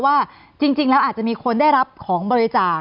ว่าจริงแล้วอาจจะมีคนได้รับของบริจาค